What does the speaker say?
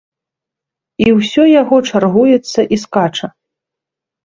І ўсё яго чаргуецца і скача.